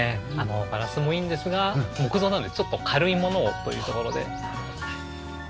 ガラスもいいんですが木造なのでちょっと軽いものをというところで。